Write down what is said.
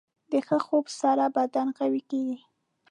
د ښه خوب سره بدن قوي کېږي.